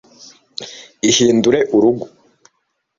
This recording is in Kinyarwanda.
Ihindure urugo.